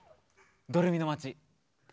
ドレミの街。